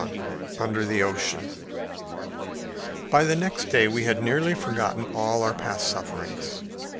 CHAPTER 21 UNDER THE OCEAN By the next day we had nearly forgotten our past sufferings.